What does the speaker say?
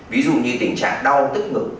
ví dụ như tình trạng đau tức ngực